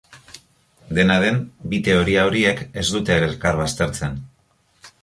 Dena den, bi teoria horiek ez dute elkar baztertzen.